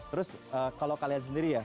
terus kalau kalian sendiri ya